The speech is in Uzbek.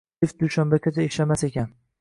Lift dushanbagacha ishlamas ekan.